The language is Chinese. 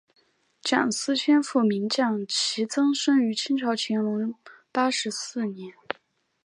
蒋斯千父名蒋祈增生于清朝乾隆四十八年。